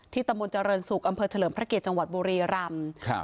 ตำบลเจริญศุกร์อำเภอเฉลิมพระเกียรติจังหวัดบุรีรำครับ